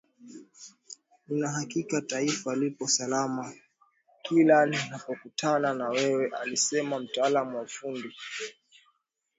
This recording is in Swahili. Nina hakika Taifa lipo salama kila ninapokutana na wewe alisema mtaalamu wa ufundi